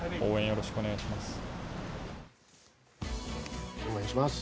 よろしくお願いします。